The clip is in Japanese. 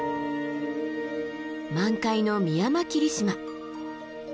満開のミヤマキリシマ。